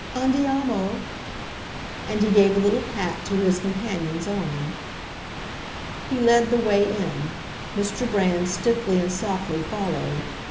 Andiamo!" And he gave a little pat to his companion's arm. He led the way in; Mr. Brand stiffly and softly followed.